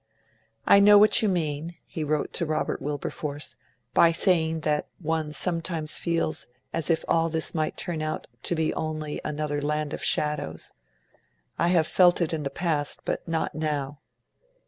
'I know what you mean,' he wrote to Robert Wilberforce, 'by saying that one sometimes feels as if all this might turn out to be only another "Land of Shadows". I have felt it in time past, but not now.